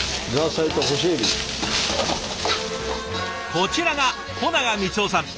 こちらが保永光男さん。